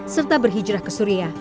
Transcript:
serta berhijrah ke suria